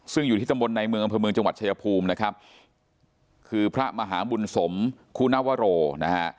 ซึ่งอยู่ที่ตำบลในเมืองอำเภอเมืองจังหวัดชายภูมินะครับคือพระมหาบุญสมคุณวโรนะฮะ